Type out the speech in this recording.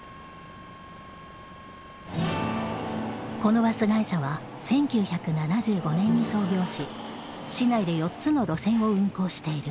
このバス会社は１９７５年に創業し市内で４つの路線を運行している。